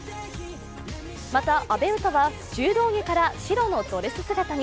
また、阿部詩は柔道着から白のドレス姿に。